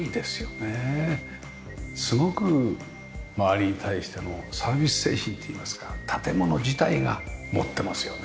すごく周りに対してのサービス精神といいますか建物自体が持ってますよね。